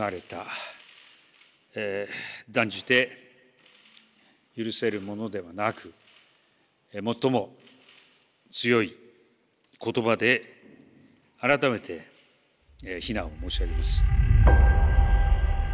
断じて許せるものではなく最も強い言葉で改めて非難を申し上げます。